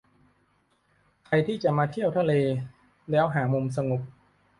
ใครที่มาเที่ยวทะเลแล้วหามุมสงบ